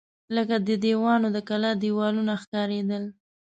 لکه د دیوانو د کلا دېوالونه ښکارېدل.